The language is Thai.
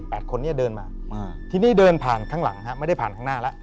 คนนี้เดินมาอ่าทีนี้เดินผ่านข้างหลังฮะไม่ได้ผ่านข้างหน้าแล้ว